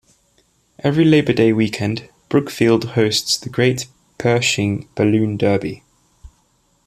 Every Labor Day weekend, Brookfield hosts the Great Pershing Balloon Derby.